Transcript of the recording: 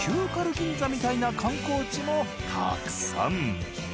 銀座みたいな観光地もたくさん。